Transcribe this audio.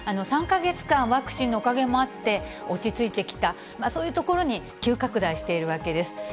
３か月間、ワクチンのおかげもあって落ち着いてきた、そういうところに急拡大しているわけです。